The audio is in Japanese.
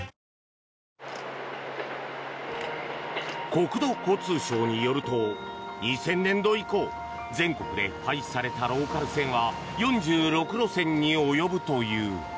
国土交通省によると２０００年度以降全国で廃止されたローカル線は４６路線に及ぶという。